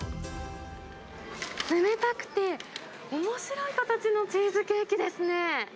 冷たくて、おもしろい形のチーズケーキですね。